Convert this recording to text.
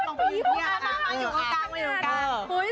มาอยู่ตรงนั้น